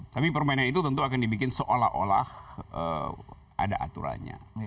tapi permainan itu tentu akan dibikin seolah olah ada aturannya